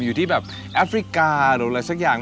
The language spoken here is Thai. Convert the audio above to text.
อยู่ที่แบบแอฟริกาหรืออะไรสักอย่าง